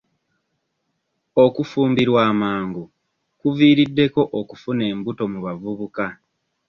Okufumbirwa amangu kuviiriddeko okufuna embuto mu bavubuka.